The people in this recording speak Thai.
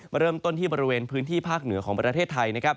เริ่มต้นที่บริเวณพื้นที่ภาคเหนือของประเทศไทยนะครับ